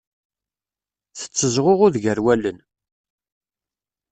Tettezɣuɣud gar wallen.